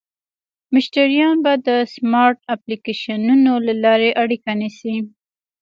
مشتریان به د سمارټ اپلیکیشنونو له لارې اړیکه نیسي.